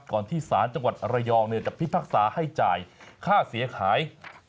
ที่ศาลจังหวัดระยองจะพิพากษาให้จ่ายค่าเสียหาย